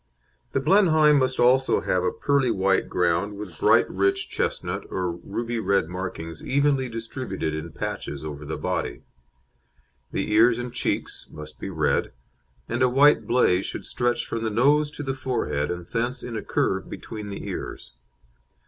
The Blenheim must also have a pearly white ground with bright rich chestnut or ruby red markings evenly distributed in patches over the body. The ears and cheeks must be red, and a white blaze should stretch from the nose to the forehead and thence in a curve between the ears.